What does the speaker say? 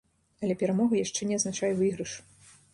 Але перамога яшчэ не азначае выйгрыш.